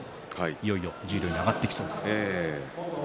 いよいよ十両に上がってきそうですね。